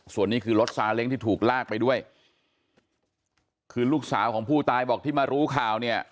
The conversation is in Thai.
ส่วนนี้คือรถซาเล้งที่ถูกลากไปด้วยคือลูกสาวของผู้ตายบอกที่มารู้ข่าวเนี่ย